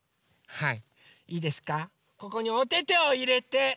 はい！